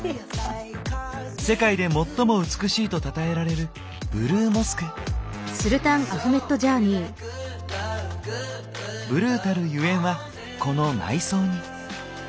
「世界で最も美しい」とたたえられるブルーたるゆえんはこの内装に。